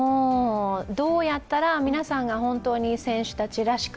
どうやったら皆さんが選手たちらしく